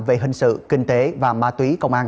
về hình sự kinh tế và ma túy công an